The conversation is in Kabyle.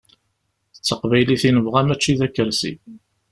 D taqbaylit i nebɣa mačči d akersi.